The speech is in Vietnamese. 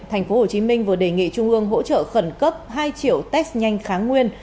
tp hcm vừa đề nghị trung ương hỗ trợ khẩn cấp hai triệu test nhanh kháng nguyên